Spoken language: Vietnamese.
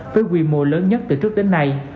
với quy mô lớn nhất từ trước đến nay